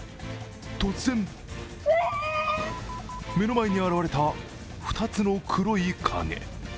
突然、目の前に現れた２つの黒い影。